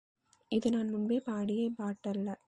இது நான் முன்பே பாடிய பாட்டல்ல.